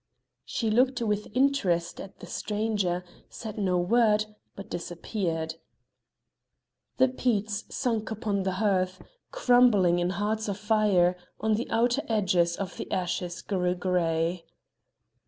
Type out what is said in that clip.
She looked with interest at the stranger, said no word, but disappeared. The peats sunk upon the hearth, crumbling in hearts of fire: on the outer edges the ashes grew grey.